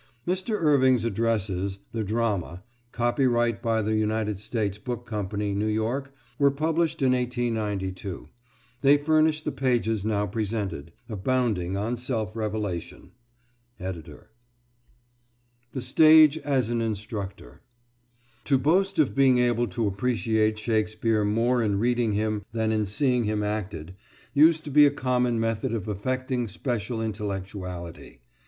Mr. Irving's addresses, "The Drama," copyright by the United States Book Company, New York, were published in 1892. They furnish the pages now presented, abounding on self revelation, ED.) THE STAGE AS AN INSTRUCTOR To boast of being able to appreciate Shakespeare more in reading him than in seeing him acted used to be a common method of affecting special intellectuality.